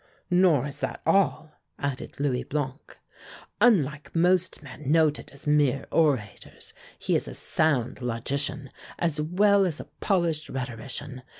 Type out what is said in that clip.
"Nor is that all," added Louis Blanc. "Unlike most men noted as mere orators, he is a sound logician, as well as a polished rhetorician.